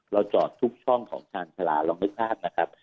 จอดทุกช่องของชาญชาลาลองนึกภาพนะครับ